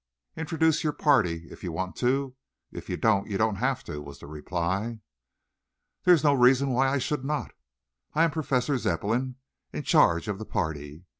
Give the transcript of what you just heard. Introduce your party if you want to. If you don't, you don't have to," was the reply. "There is no reason why I should not. I am Professor Zepplin, in charge of the party.